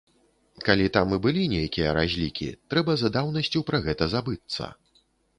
Калі там і былі нейкія разлікі, трэба за даўнасцю пра гэта забыцца.